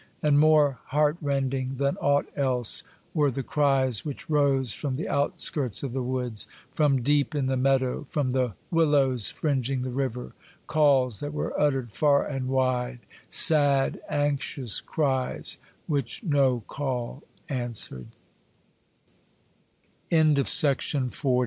And more heart rending than aught else were the cries which rose from the outskirts of the woods, from deep in the meadow, from the willows fringing the river, calls that were uttered far and wide, sad anxious cries whic